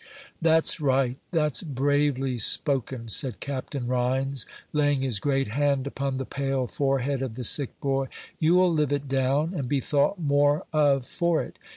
"That's right; that's bravely spoken," said Captain Rhines, laying his great hand upon the pale forehead of the sick boy; "you'll live it down, and be thought more of for it.